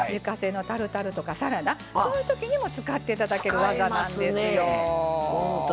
タルタルとかサラダそういうときにも使っていただける技なんですよ。